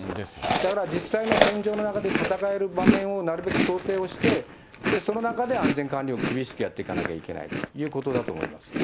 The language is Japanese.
だから実際の戦場の中で戦える場面をなるべく想定をして、その中で安全管理を厳しくやってかなきゃいけないということだと思います。